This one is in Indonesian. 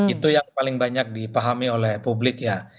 itu yang paling banyak dipahami oleh publik ya